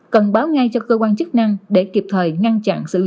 cần báo ngay cho cơ quan chức năng để kịp thời ngăn chặn xử lý